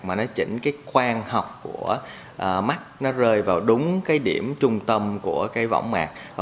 mà nó chỉnh quan học của mắt rơi vào đúng điểm trung tâm của võng mạc